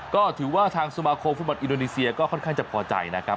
ก็ถือว่าทางสมาคมฟุตบอลอินโดนีเซียก็ค่อนข้างจะพอใจนะครับ